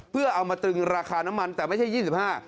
เพื่อเอามาตึงราคาน้ำมันแต่ไม่ใช่๒๕บาท